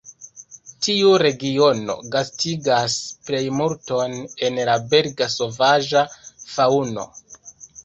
Tiu regiono gastigas plejmulton el la belga sovaĝa faŭno.